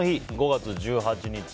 ５月１８日。